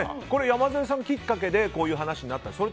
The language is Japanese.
山添さんきっかけでこういう話になったんですか？